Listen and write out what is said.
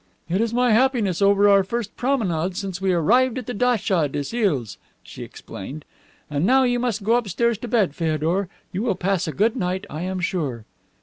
"It is my happiness over our first promenade since we arrived at the datcha des Iles," she explained. "And now you must go upstairs to bed, Feodor. You will pass a good night, I am sure."